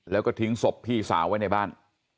แล้วก็ทิ้งศพพี่สาวไว้ในบ้าน